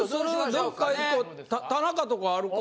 田中とかあるか？